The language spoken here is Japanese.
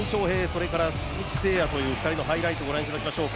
それから鈴木誠也の２人のハイライト、ご覧いただきましょう